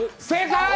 正解！